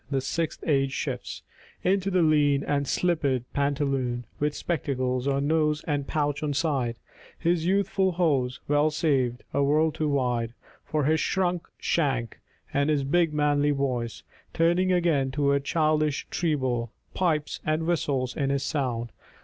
The sixth age shifts Into the lean and slippered pantaloon, With spectacles on nose and pouch on side, His youthful hose well saved, a world too wide For his shrunk shank ; and his big manly voice, 416 SHAKESPEARE Turning again toward childish treble, pipes And whistles in his sound.